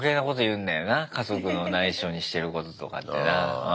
家族のないしょにしてることとかってな。